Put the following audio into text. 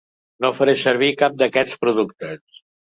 No faré servir cap d’aquests productes.